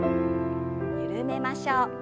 緩めましょう。